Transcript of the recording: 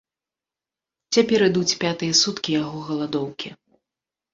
Цяпер ідуць пятыя суткі яго галадоўкі.